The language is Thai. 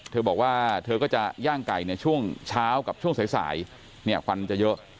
เธอบอกว่าเธอก็จะย่างไก่ในช่วงเช้ากับช่วงสายเนี่ยควันจะเยอะ